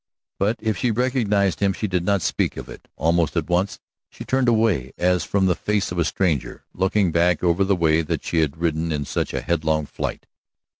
But if she recognized him she did not speak of it. Almost at once she turned away, as from the face of a stranger, looking back over the way that she had ridden in such headlong flight.